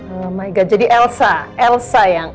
oh my god jadi elsa elsa yang